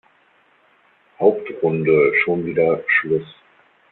Hauptrunde schon wieder Schluss.